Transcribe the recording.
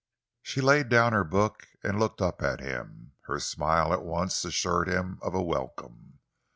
She laid down her book and looked up at him. Her smile at once assured him of a welcome.